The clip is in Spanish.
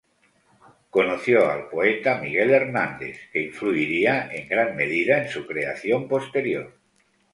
Conoció al poeta Miguel Hernández, que influiría en gran medida en su creación posterior.